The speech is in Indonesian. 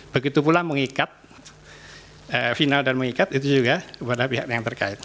begitu pula mengikat final dan mengikat itu juga kepada pihak yang terkait